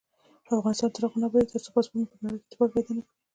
افغانستان تر هغو نه ابادیږي، ترڅو پاسپورت مو په نړۍ کې اعتبار پیدا نکړي.